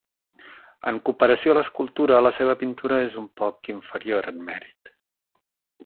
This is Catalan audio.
En comparació a l'escultura, la seva pintura és un poc inferior en mèrit.